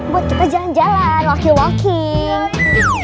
buat kita jalan jalan walking walking